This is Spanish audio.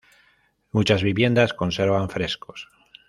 Muchas viviendas conservan frescos.